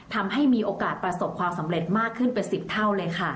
ทำให้มีโอกาสประสบความสำเร็จมากขึ้นเป็น๑๐เท่าเลยค่ะ